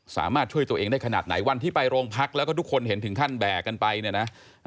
สามารถช่วยตัวเองได้ขนาดไหนวันที่ไปโรงพักแล้วก็ทุกคนเห็นถึงขั้นแบกกันไปเนี่ยนะ